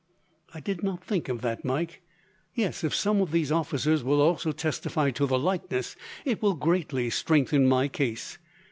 "I did not think of that, Mike. Yes, if some of these officers will also testify to the likeness, it will greatly strengthen my case.